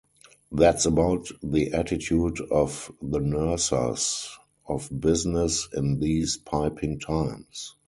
That's about the attitude of the nursers of business in these piping times.